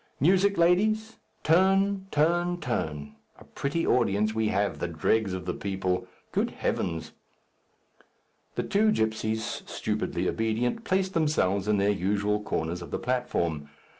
Music, ladies! turn, turn, turn. A pretty audience we have! the dregs of the people. Good heavens!" The two gipsies, stupidly obedient, placed themselves in their usual corners of the platform.